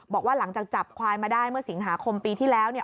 บอกว่าหลังจากจับควายมาได้เมื่อสิงหาคมปีที่แล้วเนี่ย